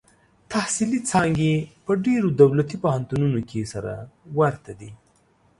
تحصیلي څانګې په ډېرو دولتي پوهنتونونو کې سره ورته دي.